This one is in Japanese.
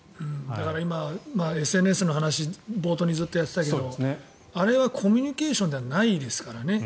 今、ＳＮＳの話冒頭にずっとやってたけどあれはコミュニケーションではないですからね。